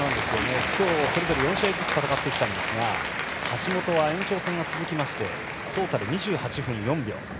今日、それぞれ４試合ずつ戦ってきたんですが橋本は延長戦が続きましてトータル２８分４秒。